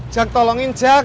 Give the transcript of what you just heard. jak tolongin jak